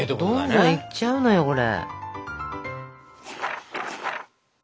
どんどんいっちゃうのよこれ。